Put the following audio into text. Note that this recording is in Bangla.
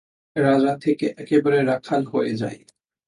রাজা থেকে একেবারে রাখাল হয়ে যায়।